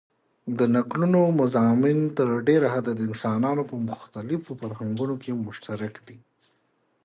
د نکلونو مضامن تر ډېره حده دانسانانو په مختلیفو فرهنګونو کښي مشترک دي.